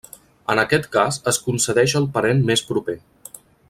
En aquest cas es concedeix al parent més proper.